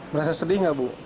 merasa sedih gak bu